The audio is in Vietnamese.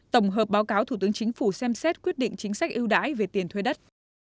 tổng hợp báo cáo thủ tướng chính phủ xem xét quyết định chính sách ưu đãi về tiền thuê đất